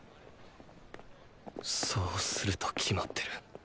そうすると決まってる。